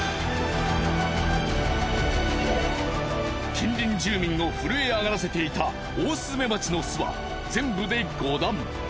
近隣住民を震え上がらせていたオオスズメバチの巣は全部で５段。